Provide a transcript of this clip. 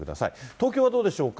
東京はどうでしょうか。